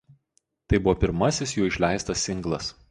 Tai buvo pirmasis jų išleistas singlas.